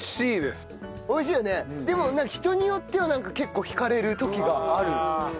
でも人によってはなんか結構引かれる時がある。